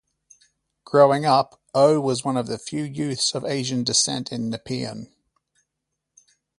Growing up, Oh was one of the few youths of Asian descent in Nepean.